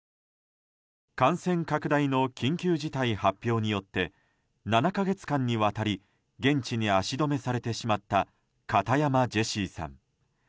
感染拡大の緊急事態発表によって７か月間にわたり現地に足止めされてしまった片山慈英士さん。